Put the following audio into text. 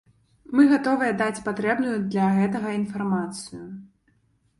Мы гатовыя даць патрэбную для гэтага інфармацыю.